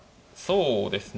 そうですね。